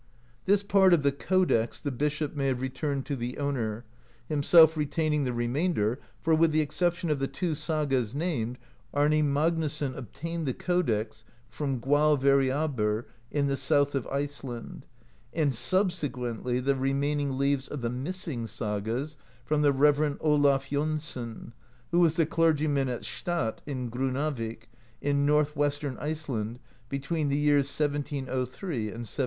This part of the codex the Bishop may have returned to the owner, himself retaining the remainder, for, with the exception of the two sagas named, Arni Magnusson obtained the codex from Gualveriaboer in the south of Iceland, and subsequently the remaining leaves of the missing sagas from the Rev. Olaf Jonsson, who was the clergyman at Stad in Grunnavik, in north west ern Iceland, between the years 1703 and 1707.